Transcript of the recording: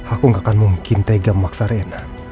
aku gak akan mungkin tega memaksa rena